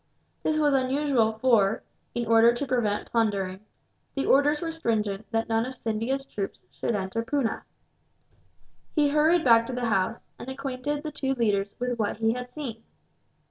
This was unusual for, in order to prevent plundering, the orders were stringent that none of Scindia's troops should enter Poona. He hurried back to the house, and acquainted the two leaders with what he had seen.